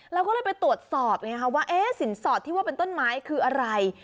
เราก็เลยไปตรวจสอบไงคะว่าสินสอดที่ว่าเป็นต้นไม้คืออะไร